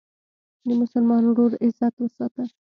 د مسلمان ورور عزت وساته.